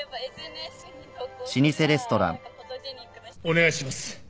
お願いします。